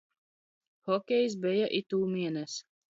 Hokejs beja itūmienes.